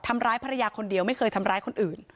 ทำร้ายภรรยาคนเดียวไม่เคยทำร้ายคนอื่น